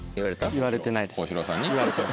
言われてないです。